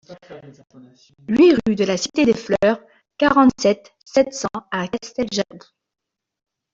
huit rue de la Cité des Fleurs, quarante-sept, sept cents à Casteljaloux